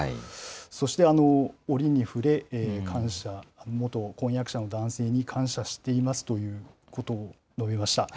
そして、折に触れ、感謝、元婚約者の男性に感謝していますということを述べました。